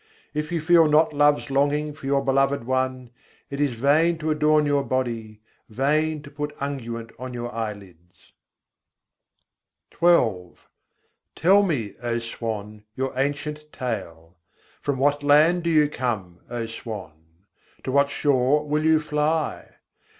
If you feel not love's longing for your Beloved One, it is vain to adorn your body, vain to put unguent on your eyelids." XII II. 24. hamsâ, kaho purâtan vât Tell me, O Swan, your ancient tale. From what land do you come, O Swan? to what shore will you fly?